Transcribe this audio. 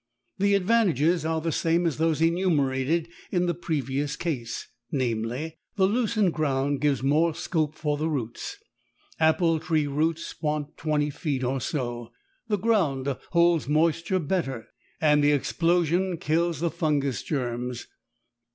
The advantages are the same as those enumerated in the previous case namely, the loosened ground gives more scope for the roots apple tree roots want twenty feet or so the ground holds moisture better, and the explosion kills the fungus germs.